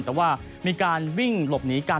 แต่ว่ามีการวิ่งหลบหนีกัน